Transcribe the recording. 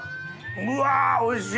うわおいしい！